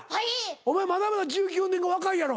まだまだ１９年後若いやろ。